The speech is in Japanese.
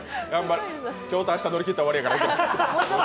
今日と明日乗り切ったら終わりやから頑張ろう。